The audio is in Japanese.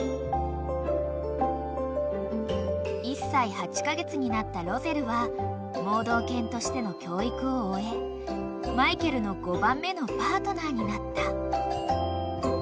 ［１歳８カ月になったロゼルは盲導犬としての教育を終えマイケルの５番目のパートナーになった］